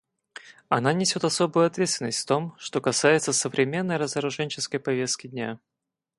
Она несет особую ответственность в том, что касается современной разоруженческой повестки дня.